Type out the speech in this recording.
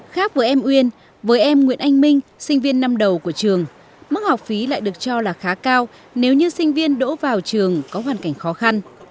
khác với em uyên với em nguyễn anh minh sinh viên năm đầu của trường mức học phí lại được cho là khá cao nếu như sinh viên đỗ vào trường có hoàn cảnh khó khăn